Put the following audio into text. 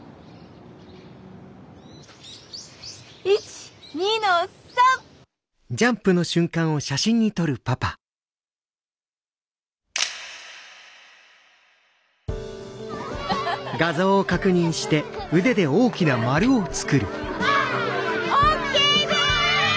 １２の３！ＯＫです！